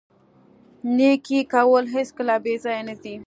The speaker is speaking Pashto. نیکي کول هیڅکله بې ځایه نه ځي.